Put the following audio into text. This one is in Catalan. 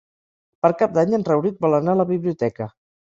Per Cap d'Any en Rauric vol anar a la biblioteca.